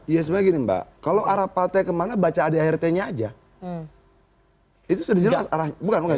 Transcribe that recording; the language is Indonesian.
yes begini mbak kalau arah partai kemana baca adik adiknya aja itu sudah bukan bukan